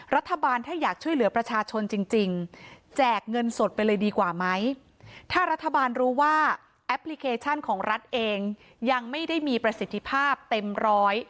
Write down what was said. รัฐบาลถ้าอยากช่วยเหลือประชาชนจริงจริงแจกเงินสดไปเลยดีกว่าไหมถ้ารัฐบาลรู้ว่าแอปพลิเคชันของรัฐเองยังไม่ได้มีประสิทธิภาพเต็มร้อย